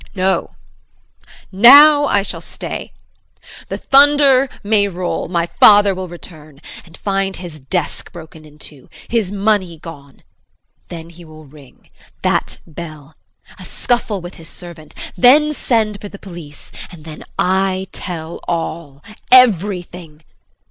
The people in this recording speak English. No, now I shall stay. The thunder may roll. My father will return and find his desk broken into his money gone! Then he will ring that bell. A scuffle with his servant then sends for the police and then I tell all everything!